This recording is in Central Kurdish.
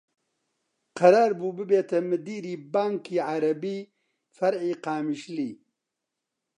قەرار بوو ببێتە مدیری بانکی عەرەبی فەرعی قامیشلی